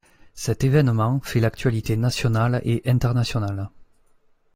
Cet évènement fait l'actualité nationale et internationale.